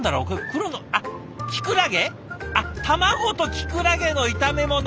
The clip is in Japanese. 卵とキクラゲの炒め物！